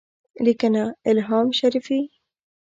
لیکنه : الهام شریفي